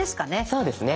そうですね